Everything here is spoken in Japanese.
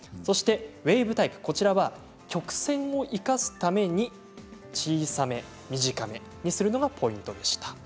ウエーブタイプは曲線を生かすために小さめ、短めにするのがポイントでした。